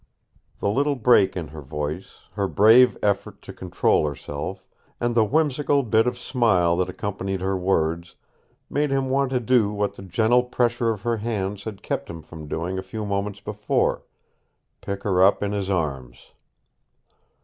The little break in her voice, her brave effort to control herself, and the whimsical bit of smile that accompanied her words made him want to do what the gentle pressure of her hands had kept him from doing a few moments before pick her up in his arms.